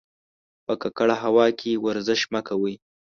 په ککړه هوا کې ورزش مه کوئ.